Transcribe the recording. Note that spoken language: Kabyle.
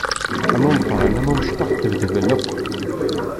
Am umeqqran am umecṭuḥ, ddbedben akk!